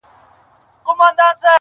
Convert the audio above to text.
o هم بوره، هم بد نامه.